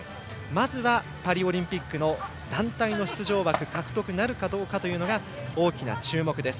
まずはパリオリンピックの団体の出場枠獲得なるかどうかというのが大きな注目です。